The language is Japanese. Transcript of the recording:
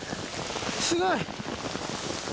すごい。